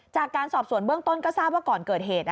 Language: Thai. จากการสอบส่วนเบื้องต้นก็ทราบว่าก่อนเกิดเหตุ